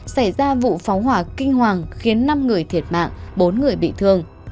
xảy ra vụ phóng hỏa kinh hoàng khiến năm người thiệt mạng bốn người bị thương